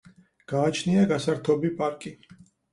გააჩნია გასართობი პარკი.